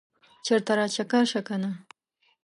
چرته راچکر شه کنه